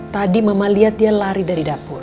tadi mama lihat dia lari dari dapur